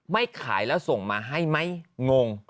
ไม่ขายแล้วส่งมาให้ไหมงง